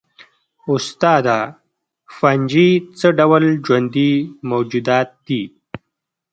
استاده فنجي څه ډول ژوندي موجودات دي